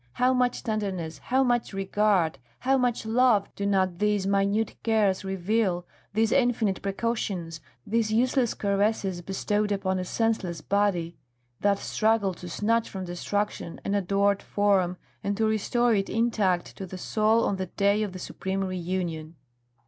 How much tenderness, how much regard, how much love do not these minute cares reveal, these infinite precautions, these useless caresses bestowed upon a senseless body, that struggle to snatch from destruction an adored form and to restore it intact to the soul on the day of the supreme reunion!"